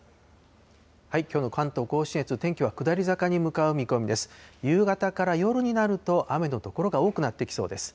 きょうの関東甲信越、天気は下り坂に向かう見込みです。